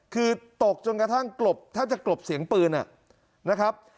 คือตกจนกระทั่งกลบแทบจะกลบเสียงปืนนะครับ